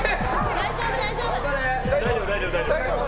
大丈夫、大丈夫。